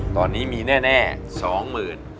ตอนนี้มีแน่สองหมื่น